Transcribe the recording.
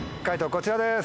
こちらです。